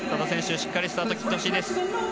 しっかりスタート切ってほしいです。